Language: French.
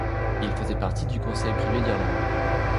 Il faisait partie du Conseil privé d'Irlande.